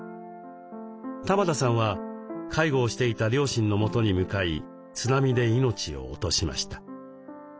玉田さんは介護をしていた両親のもとに向かい津波で命を落としました。